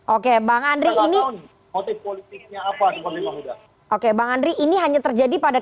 oke bang andri ini motif politiknya apa seperti bang huda oke bang andri ini hanya terjadi pada